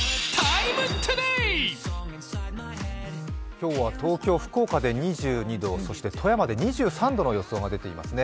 今日は東京、福岡で２２度、そして富山で２３度の予想が出ていますね。